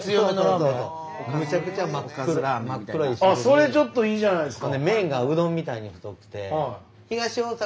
それちょっといいじゃないですか！